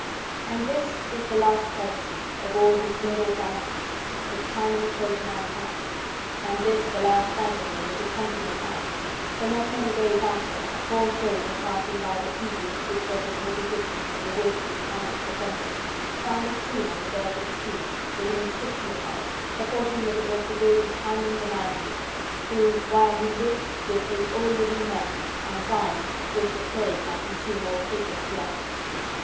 And this was the last courtesy, of all his noble bounties, which Timon showed to mankind, and this the last sight of him which his countrymen had, for not many days after, a poor soldier, passing by the sea beach which was at a little distance from the woods which Timon frequented, found a tomb on the verge of the sea, with an inscription upon it purporting that it was the grave of Timon the man hater, who "While he lived, did hate all living men, and, dying, wished a plague might consume all caitiffs left!"